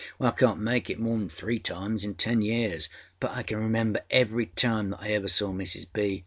âWhy, I canât make it more than three times in ten years. But I can remember every time that I ever saw Mrs. B.